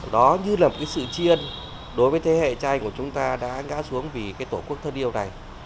đó như là một sự chiên đối với thế hệ trai của chúng ta đã ngã xuống vì tổ quốc thân yêu này